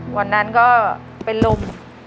วันนั้นก็เป็นลม